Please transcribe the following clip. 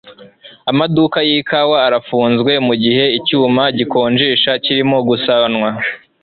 amaduka yikawa arafunzwe mugihe icyuma gikonjesha kirimo gusanwa